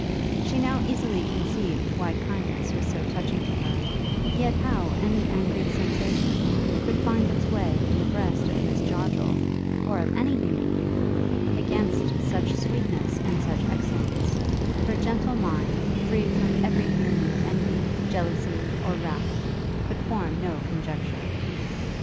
She now easily conceived why kindness was so touching to her; yet how any angry sensation could find its way in the breast of Miss Joddrel, or of any human being, against such sweetness and such excellence, her gentle mind, free from every feeling of envy, jealousy, or wrath, could form no conjecture.